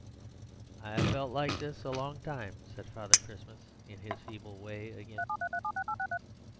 "I have felt like this a long time," said Father Christmas, in his feeble way again.